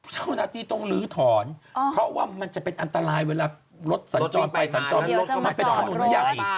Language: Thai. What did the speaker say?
เจ้าหน้าที่ต้องลื้อถอนเพราะว่ามันจะเป็นอันตรายเวลารถสัญจรไปสัญจรมารถก็มันเป็นถนนใหญ่